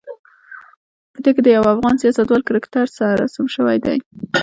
په دې کې د یوه افغان سیاستوال کرکتر رسم شوی دی.